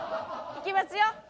いきますよ。